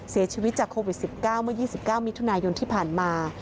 เสียชีวิตจากโควิด๑๙เมื่อ๒๙มิถุนายนที่ผ่านมา